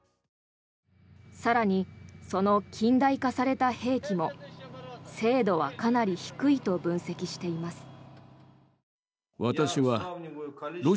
更に、その近代化された兵器も精度はかなり低いと分析しています。